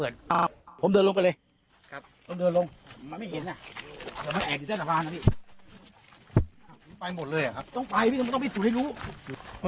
เจอแล้วใช่ไหมฮะ